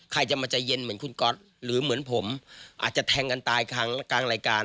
ใครจะมาใจเย็นเหมือนคุณก๊อตหรือเหมือนผมอาจจะแทงกันตายกลางรายการ